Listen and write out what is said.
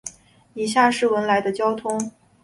以下是文莱的交通